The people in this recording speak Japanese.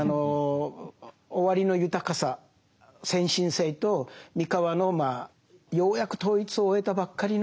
尾張の豊かさ先進性と三河のようやく統一を終えたばっかりの家康にしてはですね